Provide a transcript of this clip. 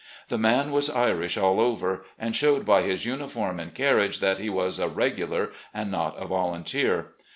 The man was Irish all over, and showed by his uniform and carriage that he was a "regular, " and not a volunteer.